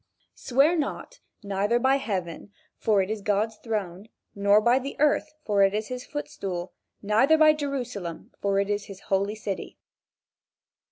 "Swear not, neither by heaven, for it is God's throne, nor by the earth for it is his footstool, neither by Jerusalem for it is his holy city."